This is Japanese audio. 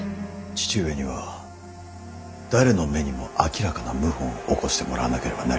父上には誰の目にも明らかな謀反を起こしてもらわなければなりません。